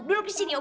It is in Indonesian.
duduk di sini oke